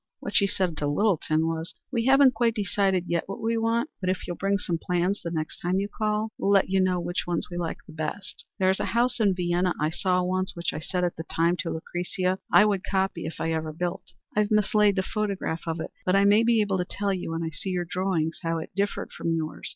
What she said to Littleton was, "We haven't quite decided yet what we want, but, if you'll bring some plans the next time you call, we'll let you know which we like best. There's a house in Vienna I saw once, which I said at the time to Lucretia I would copy if I ever built. I've mislaid the photograph of it, but I may be able to tell you when I see your drawings how it differed from yours.